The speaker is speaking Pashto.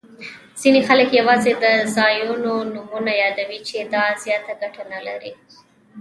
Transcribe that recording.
ځیني خلګ یوازي د ځایونو نومونه یادوي، چي دا زیاته ګټه نلري.